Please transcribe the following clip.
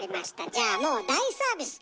じゃあもう大サービス！